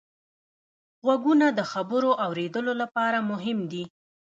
غوږونه د خبرو اورېدلو لپاره مهم دي